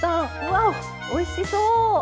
わっおいしそう！